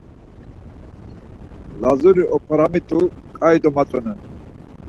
Lazuri op̌aramitu ǩai domatzonen.